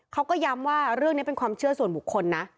เขาก็ย้ำว่าเรื่องนี้เป็นความเชื่อส่วนบุคคลนะ